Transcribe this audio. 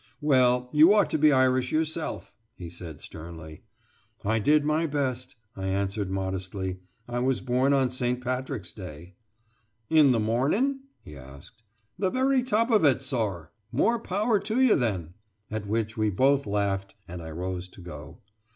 "Well, you ought to be Irish yourself!" he said sternly. "I did my best," I answered modestly. "I was born on St. Patrick's Day!" "In the mornin'?" he asked. "The very top of it, sor!" "More power to you then!" at which we both laughed, and I rose to go.